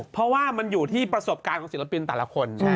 เพราะว่ามันอยู่ที่ประสบการณ์ของศิลปินแต่ละคน